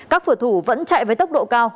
các phổ thủ vẫn chạy với tốc độ cao